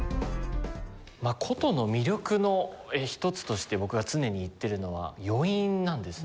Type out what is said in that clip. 箏の魅力の一つとして僕が常に言ってるのは余韻なんですね。